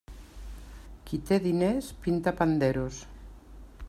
Qui té diners pinta panderos.